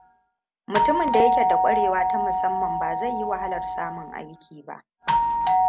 Mutumin da yake da ƙwarewa ta musamman ba zai yi wahalar samun aiki ba.